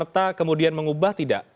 serta kemudian mengubah tidak